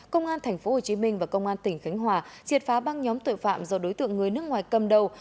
công an tp hcm và công an tỉnh khánh hòa triệt phá băng nhóm tội phạm do đối tượng người nước ngoài cầm đầu